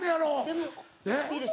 でもいいですか？